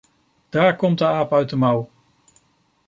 Daar komt de aap uit de mouw!